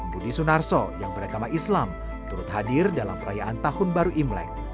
budi sunarso yang beragama islam turut hadir dalam perayaan tahun baru imlek